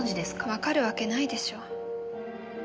わかるわけないでしょ。